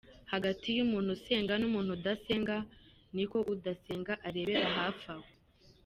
hagati y'Umuntu usenga n'umuntu udasenga ni uko udasenga arebera hafi aho.